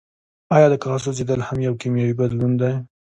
ایا د کاغذ سوځیدل هم یو کیمیاوي بدلون دی